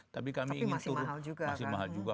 tapi masih mahal juga